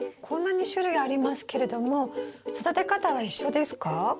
こんなに種類ありますけれども育て方は一緒ですか？